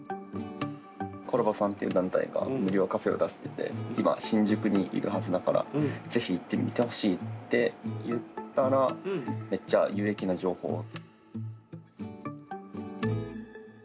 コラボさんっていう団体が無料カフェを出してて今、新宿にいるはずだからぜひ行ってみてほしいって言ったらめっちゃ有益な情報！